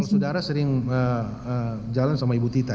saudara sering jalan sama ibu tita